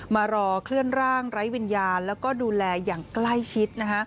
มารอเคลื่อนร่างไร้วิญญาณแล้วก็ดูแลอย่างใกล้ชิด